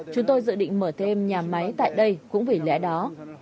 chúng tôi dự định mở thêm nhà máy tại đây cũng vì lẽ đó